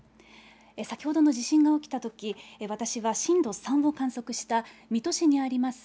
先ほどの地震が起きたとき、私は震度３を観測した、水戸市にあります